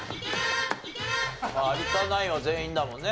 有田ナインは全員だもんね。